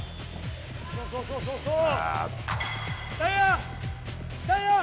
そうそうそうそうそう。